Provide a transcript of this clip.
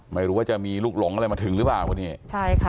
ไม่รู้ว่าจะมีลูกหลงอะไรมาถึงหรือเปล่าวันนี้ใช่ค่ะ